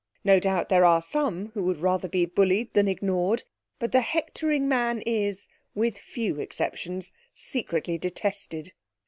No doubt there are some who would rather be bullied than ignored. But the hectoring man is, with few exceptions, secretly detested.